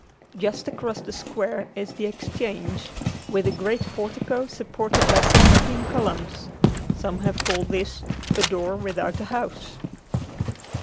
Just across the square is the Exchange with a great portico supported by seventeen columns. Some have called this "A door without a house."